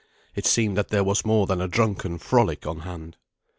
It seemed that there was more than a drunken frolic on hand.